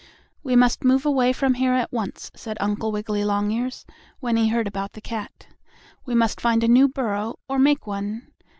"We must move away from here at once," said Uncle Wiggily Longears, when he heard about the cat. "We must find a new burrow or make one.